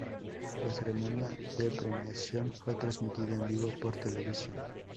La ceremonia de premiación fue transmitida en vivo por televisión.